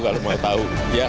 kalau mau tahu